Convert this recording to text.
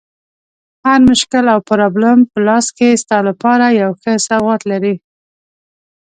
هر مشکل او پرابلم په لاس کې ستا لپاره یو ښه سوغات لري.